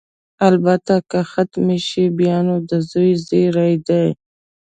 البته که ختمه شي، بیا نو د زوی زېری دی.